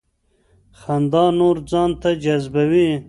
خندا نور ځان ته جذبوي.